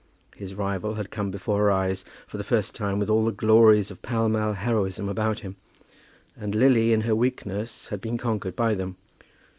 His rival had come before her eyes for the first time with all the glories of Pall Mall heroism about him, and Lily in her weakness had been conquered by them.